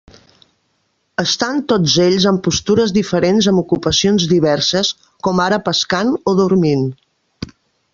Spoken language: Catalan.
Estan tots ells en postures diferents amb ocupacions diverses com ara pescant o dormint.